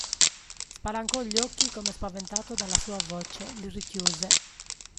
Spalancò gli occhi come spaventato dalla sua voce, li richiuse.